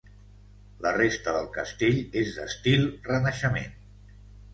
La resta del castell és d'estil Renaixement.